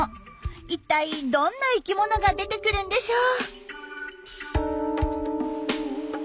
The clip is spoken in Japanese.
一体どんな生きものが出てくるんでしょう？